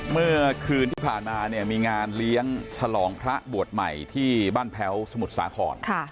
เมื่อคืนที่ผ่านมาเนี่ยมีงานเลี้ยงฉลองพระบวชใหม่ที่บ้านแพ้วสมุทรสาคร